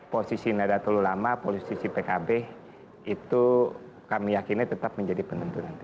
posisi nedatul ulama posisi pkb itu kami yakinnya tetap menjadi penentu nanti